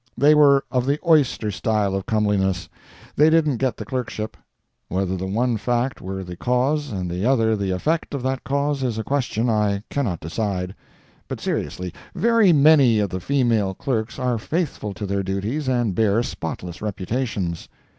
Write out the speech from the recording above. They were of the oyster style of comeliness; they didn't get the clerkship; whether the one fact were the cause and the other the effect of that cause, is a question I cannot decide. But seriously, very many of the female clerks are faithful to their duties and bear spotless reputations.